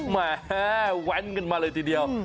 แหมแว้นกันมาเลยทีเดียว